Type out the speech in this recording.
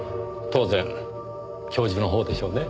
当然教授の方でしょうね。